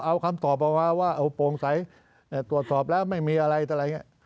เอาคำตอบออกมาว่าเอาโปร่งใสตรวจสอบแล้วไม่มีอะไรอะไรอย่างนี้